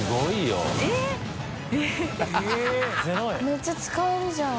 めっちゃ使えるじゃん。